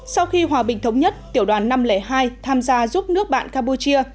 sau khi hòa bình thống nhất tiểu đoàn năm trăm linh hai tham gia giúp nước bạn campuchia